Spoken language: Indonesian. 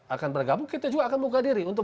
akan bergabung kita juga akan buka diri untuk